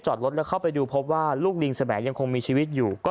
จอดรถแล้วเข้าไปดูพบว่าลูกลิงสมัยยังคงมีชีวิตอยู่ก็